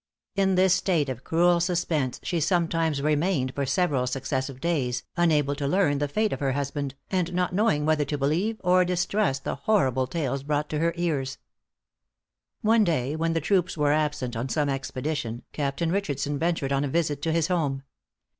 In this state of cruel suspense she sometimes remained for several successive days, unable to learn the fate of her husband, and not knowing whether to believe or distrust the horrible tales brought to her ears. One day, when the troops were absent on some expedition, Captain Richardson ventured on a visit to his home.